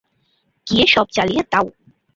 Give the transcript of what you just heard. গিয়ে সব জ্বালিয়ে দাউ!